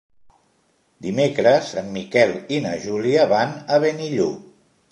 Dimecres en Miquel i na Júlia van a Benillup.